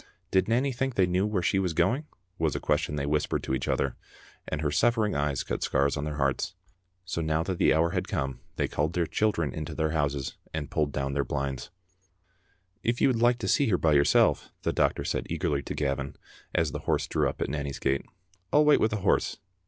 Did Nanny think they knew where she was going? was a question they whispered to each other, and her suffering eyes cut scars on their hearts. So now that the hour had come they called their children into their houses and pulled down their blinds. " If you would like to see her by yourself," the doctor said eagerly to Gavin, as the horse drew up at Nanny's gate, "I'll wait with the horse.